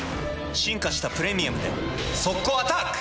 進化した「プレミアム」で速攻アタック！